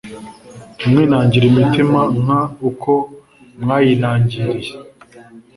Ntimwinangire imitima Nk uko mwayinangiriye